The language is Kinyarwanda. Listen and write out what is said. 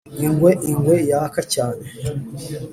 ingwe ingwe yaka cyane,